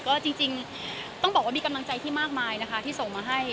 ก็จริงต้องบอกว่ามีกำลังใจที่มากมายนะคะที่ส่งมาให้